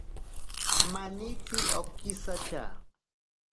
Manitsi okisatya.